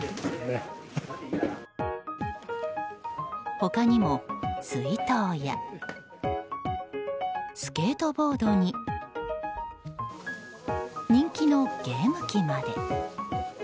他にも水筒やスケートボードに人気のゲーム機まで。